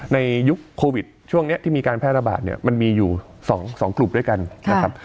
ในยุคโควิดช่วงนี้ที่มีการแพร่ระบาดเนี่ยมันมีอยู่๒กลุ่มด้วยกันนะครับ